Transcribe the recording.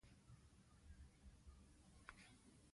افغانستان د اوړي کوربه دی.